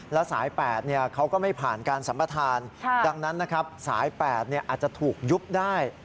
และสายแปดเนี่ยเขาก็ไม่ผ่านการสัมภาษณ์ดังนั้นนะครับสายแปดเนี่ยอาจจะถูกยุบได้